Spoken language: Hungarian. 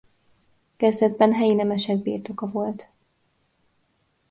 Kezdetben helyi nemesek birtoka volt.